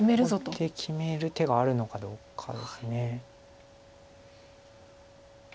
ここで決める手があるのかどうかです。